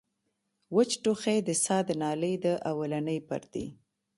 وچ ټوخی د ساه د نالۍ د اولنۍ پردې